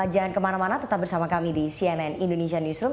jangan kemana mana tetap bersama kami di cnn indonesia newsroom